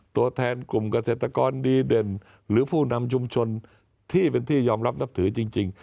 ตัวแทนกลุ่มเกษตรกรดีเด่นหรือผู้นำชุมชนที่เป็นที่ยอมรับนับถือจริง